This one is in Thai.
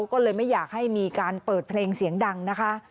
ก็เลยไม่อยากให้มีการเปิดเพลงเสียงดังนะคะ